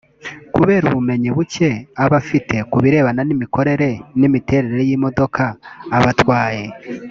kubera ubumenyi bucye aba afite kubirebana n’imikorere n’imiterere y’imodoka aba atwaye